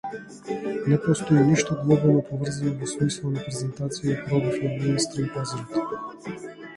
Не постои ништо глобално поврзано во смисла на презентација и пробив на меинстрим пазарот.